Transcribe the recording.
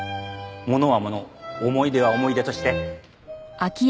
物は物思い出は思い出として。